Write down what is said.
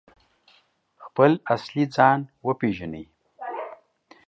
خپل اصلي ځان وپیژني؟